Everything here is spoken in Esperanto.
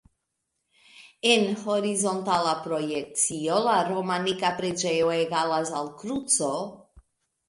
En horizontala projekcio la romanika preĝejo egalas al kruco.